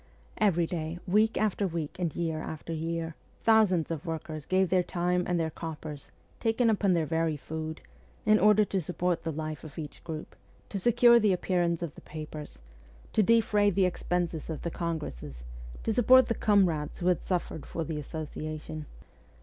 Every day, week after week and year after year, thousands of workers gave their time and their coppers, taken upon their very food, in order to support the life of each group, to secure the appearance of the papers, to defray the expenses of the congresses, to support the comrades who had suffered 62 MEMOIRS OF A REVOLUTIONIST for the Association.